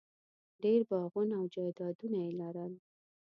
ډېر باغونه او جایدادونه یې لرل.